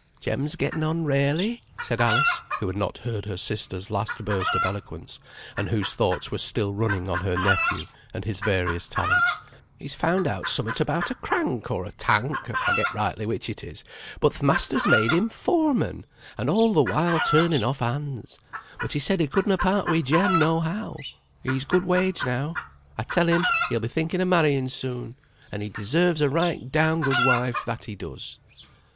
"Jem's getten on rarely," said Alice, who had not heard her sister's last burst of eloquence, and whose thoughts were still running on her nephew, and his various talents. "He's found out summut about a crank or a tank, I forget rightly which it is, but th' master's made him foreman, and he all the while turning off hands; but he said he could na part wi' Jem, nohow. He's good wage now: I tell him he'll be thinking of marrying soon, and he deserves a right down good wife, that he does."